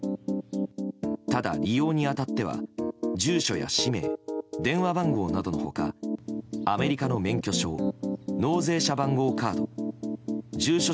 ただ、利用に当たっては住所や氏名電話番号などの他アメリカの免許証納税者番号カード住所